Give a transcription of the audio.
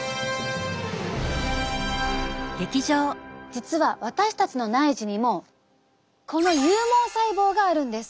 実は私たちの内耳にもこの有毛細胞があるんです。